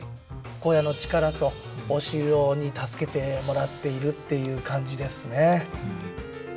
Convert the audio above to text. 小屋の力とお城に助けてもらっているっていう感じですね。